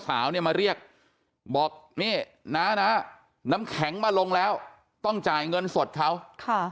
สาวมาเรียกบอกน้ำแข็งมาลงแล้วต้องจ่ายเงินสดเขา